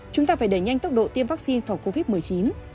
chúng ta phải đẩy nhanh tốc độ tiêm vaccine phòng covid một mươi chín